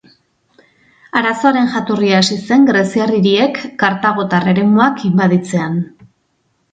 Arazoaren jatorria hasi zen greziar hiriek kartagotar eremuak inbaditzean.